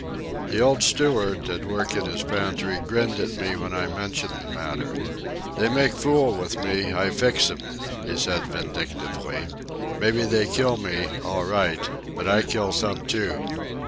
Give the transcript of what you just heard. The old steward, at work in his pantry, grinned at me when I mentioned the matter. "They make fool with me, I fix 'em," he said vindictively. "Mebbe they kill me, all right; but I kill some, too."